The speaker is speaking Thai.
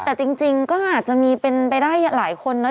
แต่จริงก็อาจจะมีเป็นไปได้หลายคนนะ